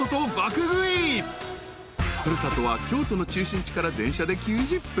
［古里は京都の中心地から電車で９０分］